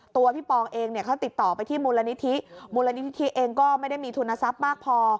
ตัวพี่ปองเองเนี่ยเขาติดต่อไปที่มูลนิธิมูลนิธิเองก็ไม่ได้มีทุนทรัพย์มากพอ